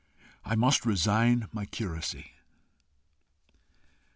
I must resign my curacy."